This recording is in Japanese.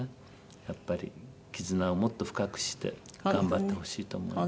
やっぱり絆をもっと深くして頑張ってほしいと思います。